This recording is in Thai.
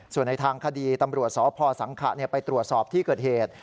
ส่วนในทางคดีตำรวจสพสังขะไปตรวจสอบที่เกิดเหตุ